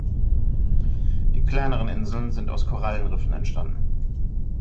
Die kleineren Inseln sind aus Korallenriffen entstanden.